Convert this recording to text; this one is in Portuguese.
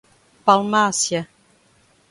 Palmácia